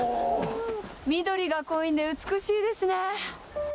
緑が濃いんで、美しいですね。